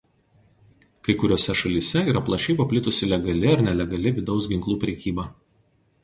Kai kuriose šalyse yra plačiai paplitusi legali ar nelegali vidaus ginklų prekyba.